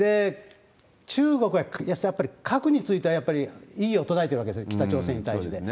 中国はやっぱり核については、やっぱり異議を唱えてるわけですよね、北朝鮮に対して。